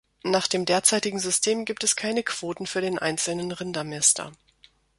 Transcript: Nach dem derzeitigen System gibt es keine Quoten für den einzelnen Rindermäster.